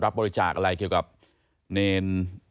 รับบริจาคอะไรเกี่ยวกับเนร